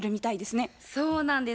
そうなんです。